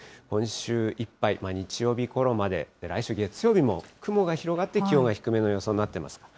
今週いっぱい、日曜日ごろまで、来週月曜日も、雲が広がって気温が低めの予想になっています。